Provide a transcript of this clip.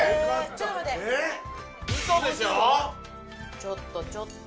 ・ちょっとちょっと。